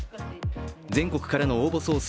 全国からの応募総数